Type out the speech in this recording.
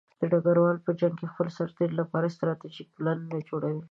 ډګروال په جنګ کې د خپلو سرتېرو لپاره ستراتیژیک پلانونه جوړوي.